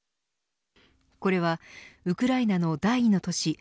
これはウクライナの第２の都市